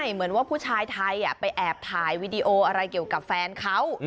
เหมือนว่าผู้ชายไทยไปแอบถ่ายวีดีโออะไรเกี่ยวกับแฟนเขา